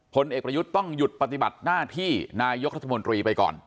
ผลเอกประยุทธ์ต้องหยุดปฏิบัติหน้าที่นายกรัฐมนตรีไปก่อน